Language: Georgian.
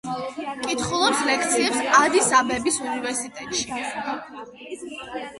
კითხულობს ლექციებს ადის-აბების უნივერსიტეტში.